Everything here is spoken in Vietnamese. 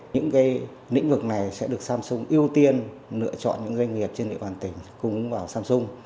những lĩnh vực này sẽ được samsung ưu tiên lựa chọn những doanh nghiệp trên địa bàn tỉnh cùng vào samsung